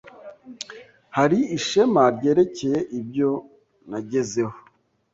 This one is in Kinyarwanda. hari ishema ryerekeye ibyo nagezeho